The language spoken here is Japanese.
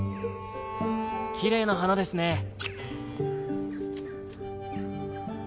きれいな花ですね。